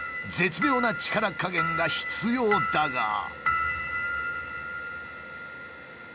絶妙な力加減が必要だが。